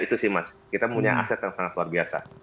itu sih mas kita punya aset yang sangat luar biasa